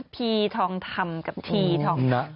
พี่ทองทำกับทีทองนะ